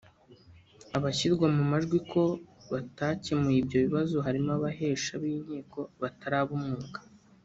Abashyirwa mu majwi ko batakemuye ibyo bibazo harimo abahesha b’inkiko batari ab’umwuga